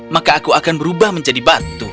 maka aku akan berubah menjadi batu